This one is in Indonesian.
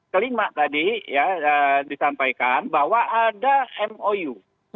kelima tadi ya disampaikan bahwa ada mou